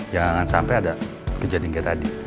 jangan sampai ada kejadian kayak tadi